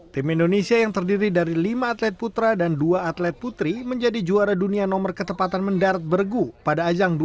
tim indonesia yang terdiri dari lima atlet putra dan dua atlet putri menjadi juara dunia nomor ketepatan mendatang